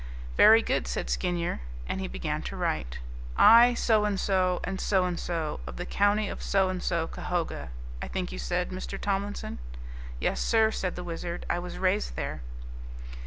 "Very good," said Skinyer, and he began to write, "I, so and so, and so and so, of the county of so and so Cahoga, I think you said, Mr. Tomlinson?" "Yes, sir," said the Wizard, "I was raised there."